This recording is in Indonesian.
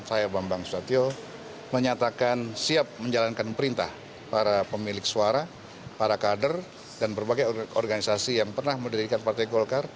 saya bambang susatyo menyatakan siap menjalankan perintah para pemilik suara para kader dan berbagai organisasi yang pernah mendirikan partai golkar